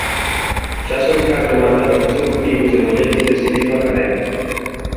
Xa son catro mandatos consecutivos de mulleres presidindo a academia.